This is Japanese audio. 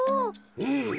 うん。